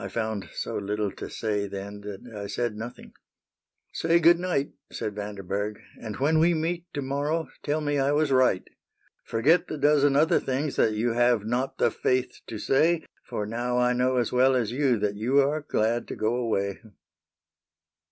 I found so little to say then That I said nothing. —'' Say good night. Said Vanderberg ;" and when we meet To morrow, tell me I was right. »»>»'' Forget the dozen other things That you have not the faith to say; For now I know as well as you That you are glad to go away."